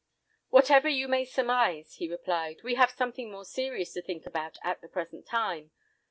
"Whatever you may surmise," he replied, "we have something more serious to think about at the present time.